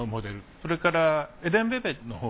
それからエデン・ベベのほう。